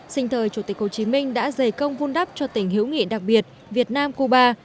sinh thời chủ tịch hồ chí minh đã dày công vun đắp cho tình hữu nghị đặc biệt việt nam cuba